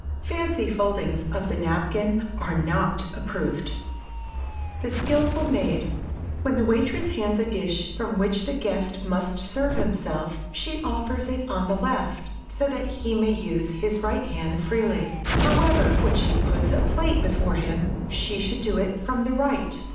Fancy foldings of the napkin are not approved. [Sidenote: THE SKILFUL MAID] When the waitress hands a dish from which the guest must serve himself she offers it on the left so that he may use his right hand freely. However, when she puts a plate before him, she should do it from the right.